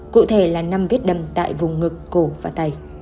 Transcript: cụ thể là năm vết đầm tại vùng ngực cổ và tay